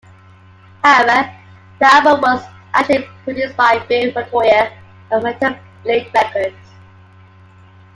However, the album was actually produced by Bill Metoyer of Metal Blade Records.